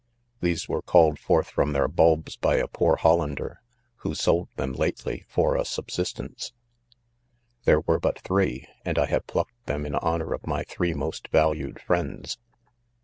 These were called forth from their bulbs by a poor Hollander, who sold them lately, for a subsistence ; there were but three, and I have' plucked them in honor of my three most valued friends.